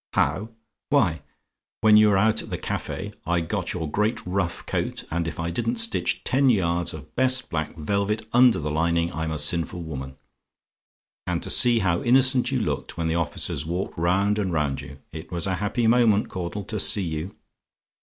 "HOW? "Why, when you were out at the Cafe, I got your great rough coat, and if I didn't stitch ten yards of best black velvet under the lining I'm a sinful woman! And to see how innocent you looked when the officers walked round and round you! It was a happy moment, Caudle, to see you.